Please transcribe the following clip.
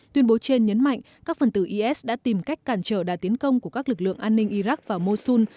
tuyên bố trên nhấn mạnh các phần tử is đã tìm cách cản trở đá tiến công của các lực lượng an ninh iraq và mosun